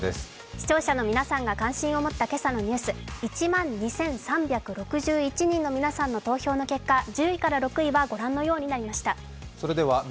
視聴者の皆さんが関心を持った今朝のニュース、１万２３６１人の皆さんの投票の結果１０位から６位は御覧のようになりました。